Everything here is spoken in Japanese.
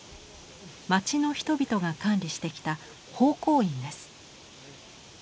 町の人々が管理してきた宝光院です。